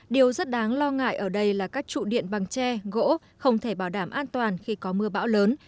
điều rất đáng lo ngại ở đây là các trụ điện bằng tre gỗ không thể bảo đảm an toàn khi có mưa bão lớn